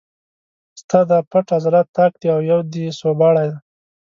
ستا دا پټ عضلات طاق دي او یو دې سوباړی دی.